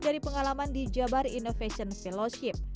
dari pengalaman di jabar innovation fellowship